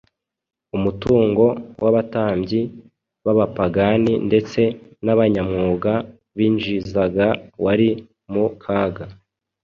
Umutungo wabatambyi b’abapagani ndetse n’abanyamyuga binjizaga wari mu kaga